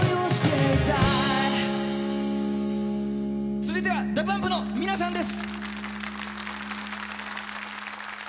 続いてはＤＡＰＵＭＰのみなさんです！